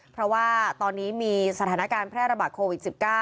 เพราะว่าตอนนี้มีสถานการณ์แพร่ระบาดโควิด๑๙